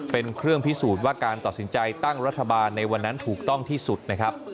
เป็นเครื่องพิสูจน์ว่าการตัดสินใจตั้งรัฐบาลในวันนั้นถูกต้องที่สุดนะครับ